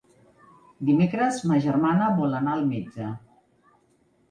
Dimecres ma germana vol anar al metge.